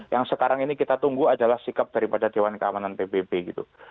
yang sekarang ini kita tunggu adalah sikap daripada dewan keamanan pbb gitu